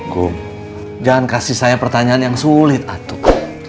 kum jangan kasih saya pertanyaan yang sulit atur